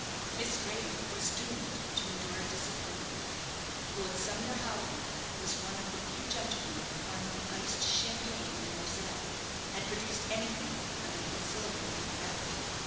Miss Graham was doomed to endure a disappointment. Lord Sumner Howden was one of the few gentleman upon whom iced champagne and moselle had produced anything but an exhilarating effect.